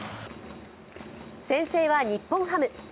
先制は日本ハム。